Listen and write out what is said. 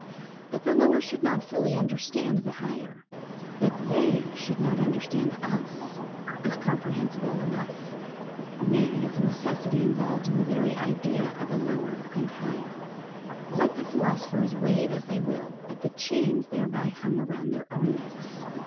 That the lower should not fully understand the higher; that they should not understand us, is comprehensible enough; nay, is a necessity involved in the very idea of a lower and higher; let the philosophers rave as they will at the chains thereby hung around their own necks.